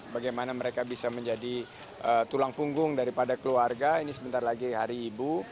bagaimana mereka bisa menjadi tulang punggung daripada keluarga ini sebentar lagi hari ibu